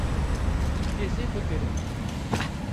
Ez ê bigirim